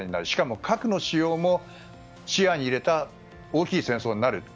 しかも核の使用も視野に入れた大きい戦争になる。